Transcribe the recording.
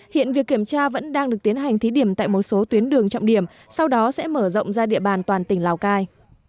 hiện việc kiểm tra vẫn đang được tiến hành thí điểm tại một số tuyến đường trọng điểm sau đó sẽ mở rộng ra địa bàn toàn tỉnh lào cai